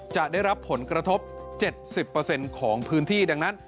จะได้รับผลกระทบ๗๐ของพื้นที่ดังนั้น